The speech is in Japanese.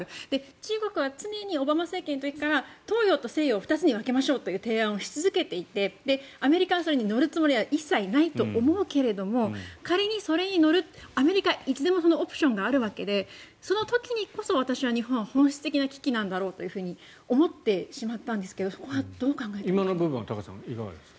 中国は常にオバマ政権の時から東洋と西洋を２つに分けましょうって提案をし続けていてアメリカがそれに乗るつもりは一切ないと思うけれども仮にそれに乗るアメリカがいつでもそのオプションがあるわけでその時にこそ日本は本質的な危機なんだろうって思ってしまったんですがそこはどう考えていますか？